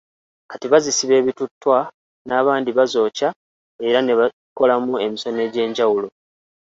Kati bazisiba ebituttwa n'abandi bazokya era ne bakolamu emisono egy'enjwulo.